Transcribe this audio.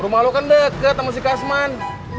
rumah lo kan deket sama si kasman